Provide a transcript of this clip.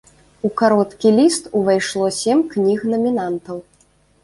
У кароткі ліст увайшло сем кніг-намінантаў.